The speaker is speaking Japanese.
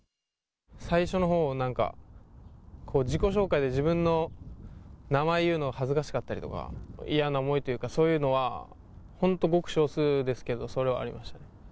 最初のほうはなんか、自己紹介で自分の名前を言うのが恥ずかしかったりとか、嫌な思いというか、そういうのは本当、ごく少数ですけど、それはありましたね。